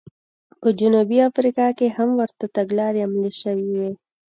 په جنوبي افریقا کې هم ورته تګلارې عملي شوې وې.